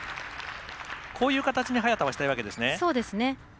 こういう形に早田はしたいわけですね。